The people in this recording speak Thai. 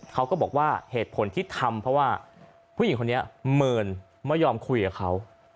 เขาก็บอกว่าเหตุผลที่ทำเพราะว่าผู้หญิงคนนี้เมินไม่ยอมคุยกับเขา